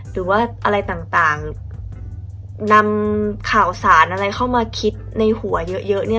หรือว่าอะไรต่างนำข่าวสารอะไรเข้ามาคิดในหัวเยอะเนี่ย